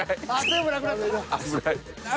全部なくなった。